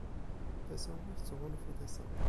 Tasa ur tettɣunfu tasa.